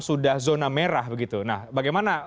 sudah zona merah begitu nah bagaimana